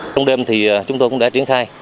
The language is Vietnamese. trong đêm thì chúng tôi cũng đã triển khai